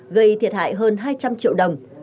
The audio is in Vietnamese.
gây thiệt hại hơn hai trăm linh triệu đồng